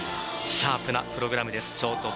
シャープなプログラムです。